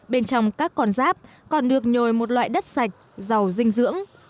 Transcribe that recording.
bên trong các con giáp còn được nhồi một loại đất sạch giàu dinh dưỡng